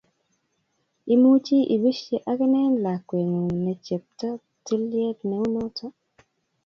imuchi ibischi akinen lakweng'ung' ne chebto tilet neu noto